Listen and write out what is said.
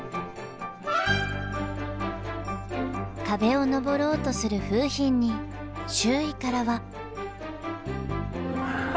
壁を登ろうとする楓浜に周囲からは。